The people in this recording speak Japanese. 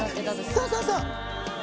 あそうそうそう！